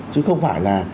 chứ không phải là